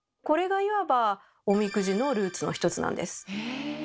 これがいわばおみくじのルーツの一つなんです。